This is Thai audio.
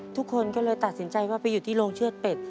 ทุกคนก็เลยตัดสินใจว่าไปอยู่ที่โรงเชือดเป็ด